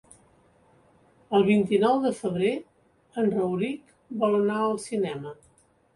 El vint-i-nou de febrer en Rauric vol anar al cinema.